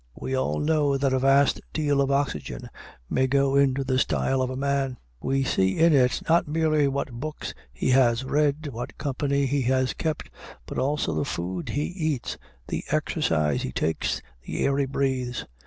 We all know that a vast deal of oxygen may go into the style of a man; we see in it not merely what books he has read, what company he has kept, but also the food he eats, the exercise he takes, the air he breathes.